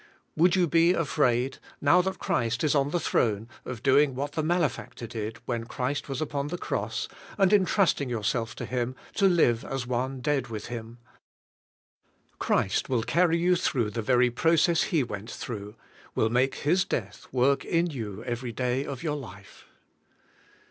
Would you be afraid, now that Christ is on the throne, of doing what the malefactor did when Christ was upon the cross, and entrusting yourself to Him to live as one dead with Him? Christ will carry you through the very process He w ent through; will make His death work in you every day of your life.